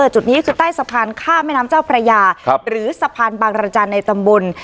จุดนี้คือใต้สะพานข้ามแม่น้ำเจ้าพระยาหรือสะพานบางรจันทร์ในตำบล